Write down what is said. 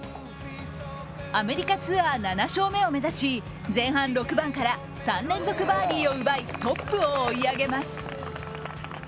アメリカツアー７勝目を目指し前半６番から３連続バーディーを奪いトップを追い上げます。